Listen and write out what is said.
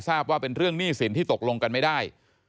ทราบว่าเป็นเรื่องหนี้สินที่ตกลงกันไม่ได้